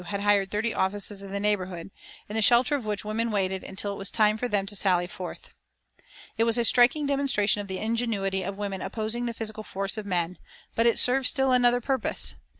U. had hired thirty offices in the neighborhood, in the shelter of which the women waited until it was time for them to sally forth. It was a striking demonstration of the ingenuity of women opposing the physical force of men, but it served still another purpose.